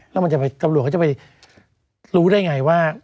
แล้วตัวบริการจะไปรู้ได้ไงว่า